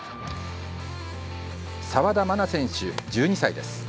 澤田茉奈選手、１２歳です。